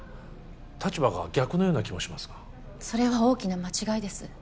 立場が逆のような気もしますがそれは大きな間違いです